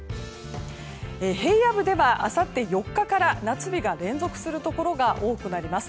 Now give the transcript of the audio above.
平野部ではあさって４日から夏日が連続するところが多くなります。